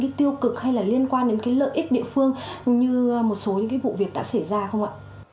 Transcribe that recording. cái tiêu cực hay là liên quan đến cái lợi ích địa phương như một số những cái vụ việc đã xảy ra không ạ